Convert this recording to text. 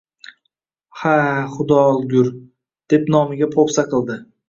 — Ha, xudo olgur! — deb nomiga poʼpisa qildi